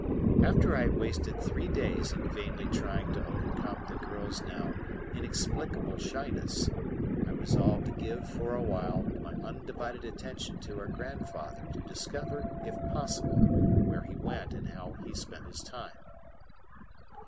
After I had wasted three days in vainly trying to overcome the girl's now inexplicable shyness, I resolved to give for a while my undivided attention to her grandfather to discover, if possible, where he went and how he spent his time.